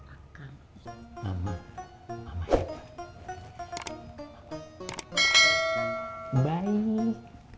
akang mama mama yang baik